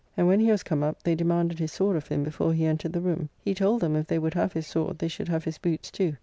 And when he was come up, they demanded his sword of him before he entered the room. He told them, if they would have his sword, they should have his boots too.